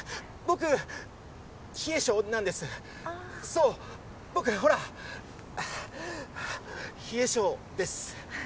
そう僕ほら冷え性です。